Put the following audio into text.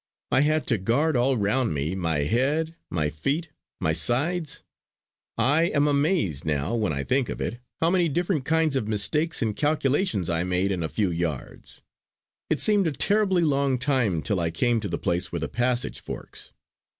I had to guard all round me, my head, my feet, my sides. I am amazed, now when I think of it, how many different kinds of mistakes and calculations I made in a few yards. It seemed a terribly long time till I came to the place where the passage forks.